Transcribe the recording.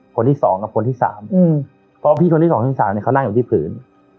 คนที่สองกับคนที่สามเพราะพี่คนที่สองที่สามเนี่ยเขานั่งอยู่ที่พื้น